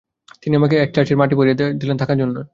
তিনি আমাকে এক চার্চের মঠে পাঠিয়ে দিলেন থাকার জন্য।